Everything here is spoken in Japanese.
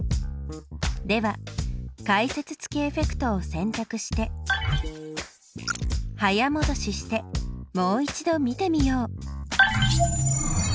では解説付きエフェクトをせんたくして早もどししてもう一度見てみよう。